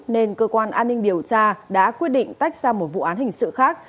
nên cơ quan an ninh điều tra đã quyết định tách ra một vụ án hình sự khác